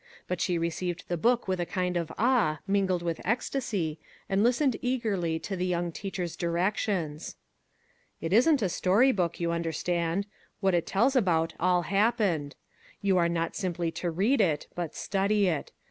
But she received the book with a kind of awe, mingled with ecstacy, and listened eagerly to the young teacher's directions. " It isn't 3. story book, you understand. 68 " I'LL DO MY VERY BEST " What it tells about all happened. You are not simply to read it, but study it.